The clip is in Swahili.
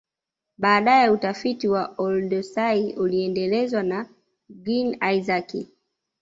Baadae utafiti wa Olorgesailie uliendelezwa na Glynn Isaac